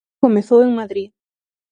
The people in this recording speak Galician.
Comezou en Madrid.